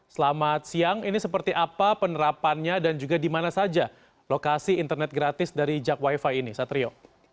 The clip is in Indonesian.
selamat siang ini seperti apa penerapannya dan juga di mana saja lokasi internet gratis dari jak wifi ini satrio